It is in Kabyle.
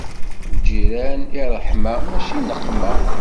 Lǧiran, i ṛṛeḥma mačči i nneqma.